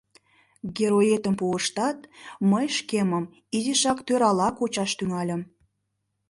— Героетым пуыштат, мый шкемым изишак тӧрала кучаш тӱҥальым.